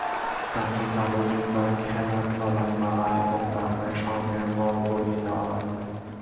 তাঁকে কালো জুব্বার খেলাত গলায় মালা এবং তার পায়ে স্বর্ণের মল পরিয়ে দেয়া হয়।